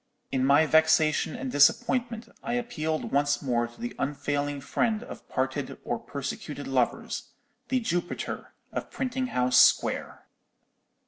In my vexation and disappointment, I appealed once more to the unfailing friend of parted or persecuted lovers, the Jupiter of Printing House Square.